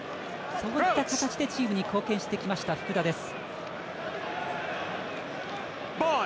そういった形でチームに貢献してきました福田です。